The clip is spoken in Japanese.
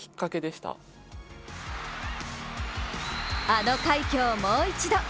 あの快挙をもう一度。